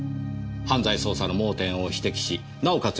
犯罪捜査の盲点を指摘しなおかつ